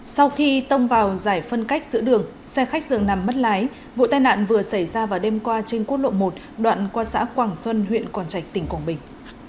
sau khi tông vào giải phân cách giữa đường xe khách dường nằm mất lái vụ tai nạn vừa xảy ra vào đêm qua trên quốc lộ một đoạn qua xã quảng xuân huyện quảng trạch tỉnh quảng bình